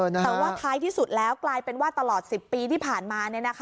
แต่ว่าท้ายที่สุดแล้วกลายเป็นว่าตลอด๑๐ปีที่ผ่านมา